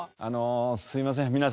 あのすいません。